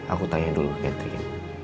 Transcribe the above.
aku tanya dulu catherine